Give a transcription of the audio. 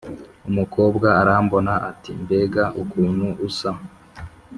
Umukobwa arambona, ati: mbega ukunu usa